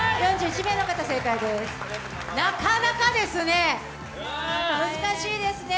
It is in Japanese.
なかなかですね、難しいですね。